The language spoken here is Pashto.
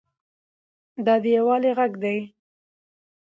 دا د یووالي غږ دی.